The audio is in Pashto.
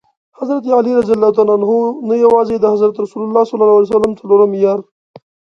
حضرت علي رض نه یوازي د حضرت رسول ص څلورم یار.